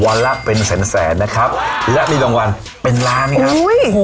ละเป็นแสนแสนนะครับและมีรางวัลเป็นล้านครับอุ้ย